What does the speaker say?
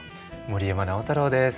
森山直太朗です。